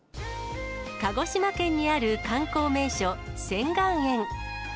鹿児島県にある観光名所、仙巌園。